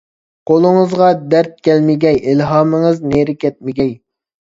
قۇلىڭىزغا دەرد كەلمىگەي، ئىلھامىڭىز نېرى كەتمىگەي.